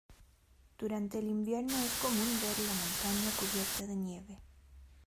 Durante el invierno es común ver la montaña cubierta de nieve.